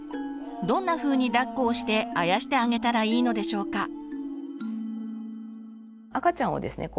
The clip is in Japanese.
どんなふうにだっこをしてあやしてあげたらいいのでしょうか？